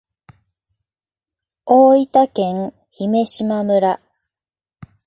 大分県姫島村